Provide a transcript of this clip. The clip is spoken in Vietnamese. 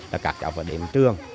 là các cháu vào đêm trường